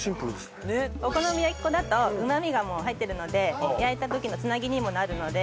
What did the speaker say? お好み焼き粉だとうまみがもう入っているので焼いた時の繋ぎにもなるので。